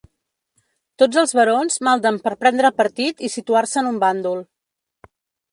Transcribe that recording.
Tots els barons malden per prendre partit i situar-se en un bàndol.